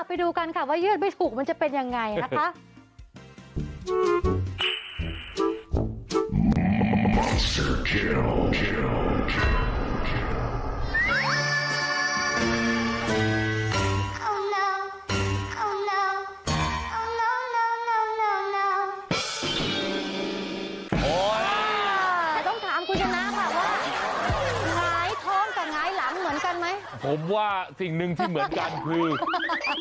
ไปดูกันค่ะว่ายืดไม่ถูกมันจะเป็นยังไงนะคะ